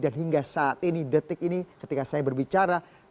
dan hingga saat ini detik ini ketika saya berbicara